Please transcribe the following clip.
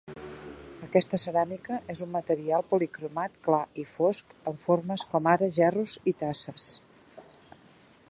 Aquesta ceràmica és un material policromat clar i fosc, amb formes, com ara gerros i tasses.